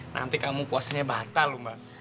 nanti kamu puasanya batal lho mbak